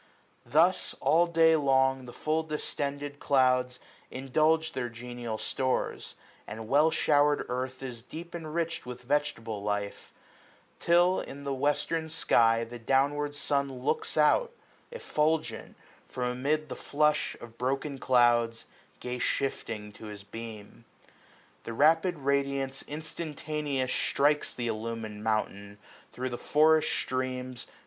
Thus all day long the full distended clouds 185 Indulge their genial stores, and well shower'd earth Is deep enrich*d with vegetable life ; Till in the Western sky, the downward sun Looks out, effulgent, from amid the flush Of broken clouds, gay shifting to his beam. 190 The rapid radiance instantaneous strikes SPRING. Th* illumin'd mountain, thro* the forest streams.